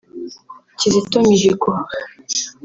Kizito Mihigo